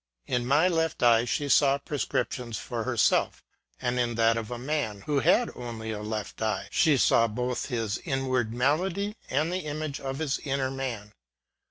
In my left eye she saw prescriptions for her self ; and in that of a man, who had only a left eye, she saw both his inward malady, and the image of his inner man.